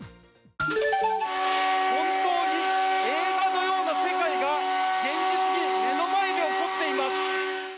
本当に映画のような世界が現実に目の前で起こっています。